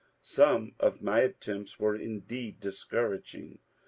Some of my attempts were indeed discouraging.